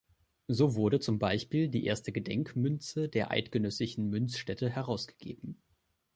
So wurde zum Beispiel die erste Gedenkmünze der Eidgenössischen Münzstätte herausgegeben.